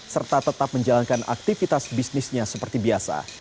serta tetap menjalankan aktivitas bisnisnya seperti biasa